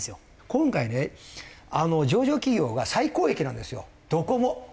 今回ね上場企業が最高益なんですよどこも。